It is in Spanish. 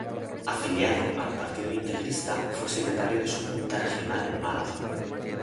Afiliado al Partido Integrista, fue secretario de su junta regional en Málaga.